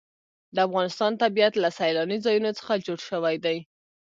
د افغانستان طبیعت له سیلاني ځایونو څخه جوړ شوی دی.